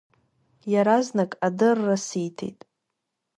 Иаразнак адырра сиҭеит.